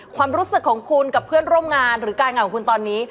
ความรู้สึกของคุณกับเพื่อนร่วมงานหรือการงานของคุณตอนนี้